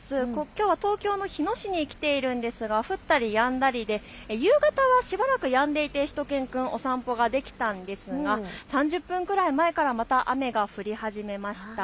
きょうは東京の日野市に来ているんですけれども降ったり、やんだりで夕方はしばらくやんでいてしゅと犬くんお散歩ができたんですが３０分ぐらい前からまた雨が降り始めました。